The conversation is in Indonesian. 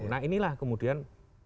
nah inilah kemudian